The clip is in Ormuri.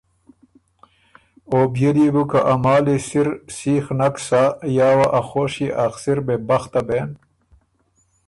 او بيې ليې بو که ا مالی سِر نک سیخ سۀ یا وه ا خوشيې ا خسِر بې بخته بېن،